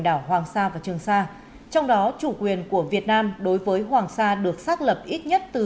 đảo hoàng sa và trường sa trong đó chủ quyền của việt nam đối với hoàng sa được xác lập ít nhất từ